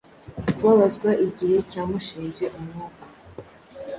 Kubabazwa igice cyamushinje umwuka